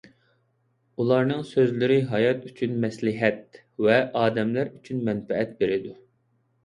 ئۇلارنىڭ سۆزلىرى ھايات ئۈچۈن مەسلىھەت ۋە ئادەملەر ئۈچۈن مەنپەئەت بېرىدۇ.